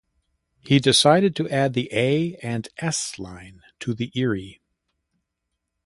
He decided to add the A and S line to the Erie.